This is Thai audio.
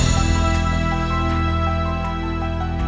ขอบคุณครับ